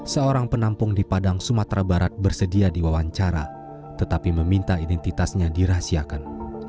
seorang penampung di padang sumatera barat bersedia diwawancara tetapi meminta identitasnya dirahasiakan